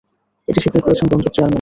এটি স্বীকার করেছেন বন্দর চেয়ারম্যানও।